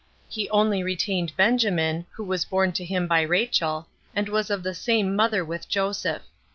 He only retained Benjamin, who was born to him by Rachel, and was of the same mother with Joseph.